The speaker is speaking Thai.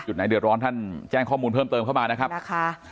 ไหนเดือดร้อนท่านแจ้งข้อมูลเพิ่มเติมเข้ามานะครับ